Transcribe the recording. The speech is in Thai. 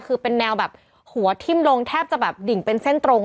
คือเป็นแนวแบบหัวทิ้มลงแทบจะแบบดิ่งเป็นเส้นตรง